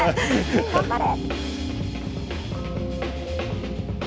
頑張れ。